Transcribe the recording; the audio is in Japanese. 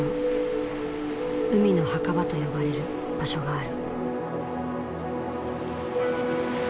海の墓場と呼ばれる場所がある。